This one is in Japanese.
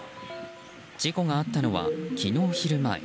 事故があったのは昨日昼前。